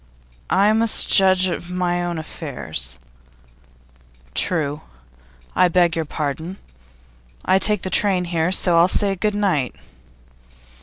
'I must judge of my own affairs.' 'True; I beg your pardon. I take the train here, so I'll say good night.